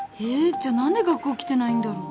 じゃあ何で学校来てないんだろう